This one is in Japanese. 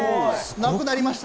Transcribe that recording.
なくなりました。